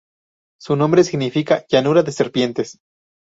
Su nombre significa "llanura de serpientes".